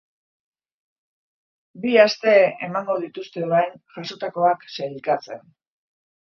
Bi aste emango dituzte orain jasotakoak sailkatzen.